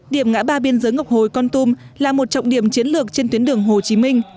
điểm ngã ba biên giới ngọc hồi con tum là một trọng điểm chiến lược trên tuyến đường hồ chí minh